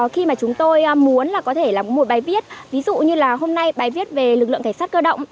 khi mà chúng tôi muốn là có thể là một bài viết ví dụ như là hôm nay bài viết về lực lượng cảnh sát cơ động